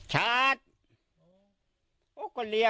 เห้อ